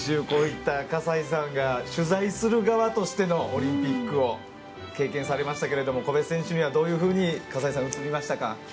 こういった葛西さんが取材する側としてのオリンピックを経験されましたが小林選手にはどういうふうに葛西さん